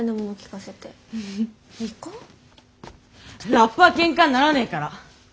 ラップはけんかにならねえから！